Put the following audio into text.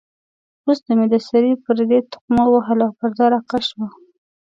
وروسته مې د سرې پردې تقمه ووهل او پرده را کش شوه.